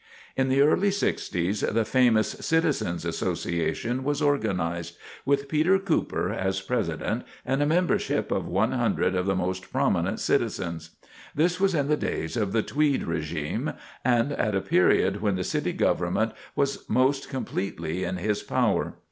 [Sidenote: The Citizens Association] In the early sixties the famous "Citizens Association" was organized, with Peter Cooper as President, and a membership of one hundred of the most prominent citizens. This was in the days of the Tweed régime, and at a period when the City Government was most completely in his power.